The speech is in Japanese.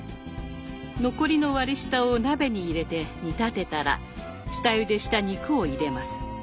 残りの割り下を鍋に入れて煮立てたら下ゆでした肉を入れます。